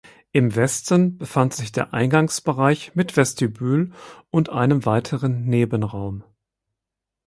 Im Westen befand sich der Eingangsbereich mit Vestibül und einem weiteren Nebenraum.